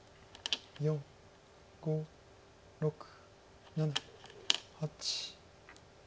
４５６７８。